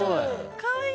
かわいい。